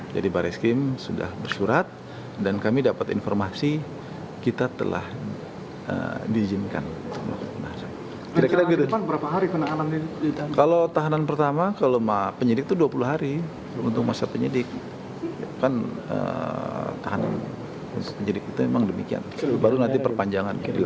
jangan dilakukan oleh pihak jpu untuk kira kira